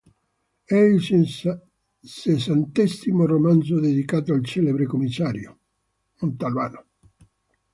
È il sessantesimo romanzo dedicato al celebre commissario.